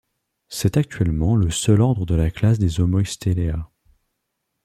C'est actuellement le seul ordre de la classe des Homoiostelea.